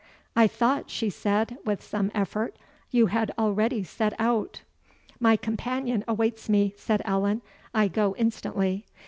"I thought," she said, with some effort, "you had already set out." "My companion awaits me," said Allan; "I go instantly."